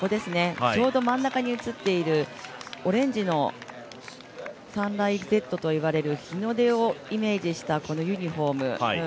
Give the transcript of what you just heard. ちょうど真ん中に映っている、オレンジのサンライズレッドといわれる日の出をイメージしたこのユニフォーム。